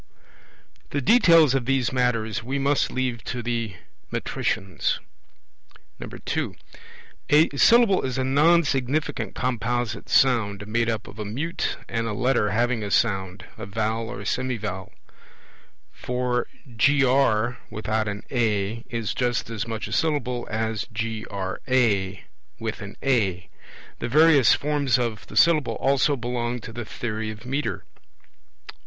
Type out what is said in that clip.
The details of these matters we must leave to the metricians. (2) A Syllable is a nonsignificant composite sound, made up of a mute and a Letter having a sound (a vowel or semivowel); for GR, without an A, is just as much a Syllable as GRA, with an A. The various forms of the Syllable also belong to the theory of metre.